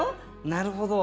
なるほど。